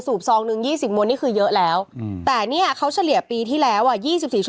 ซองหนึ่งมันมีกี่มวลนะคะสิบสิบอุ๊ยยี่สิบว่ะยี่สิบมวล